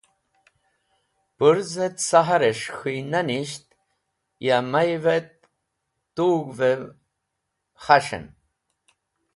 Pũrz et sahares̃h k̃hũynanisht ya may’v et tug̃h’veev dhicen (khas̃hen).